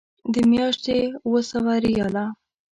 د میاشتې اوه سوه ریاله.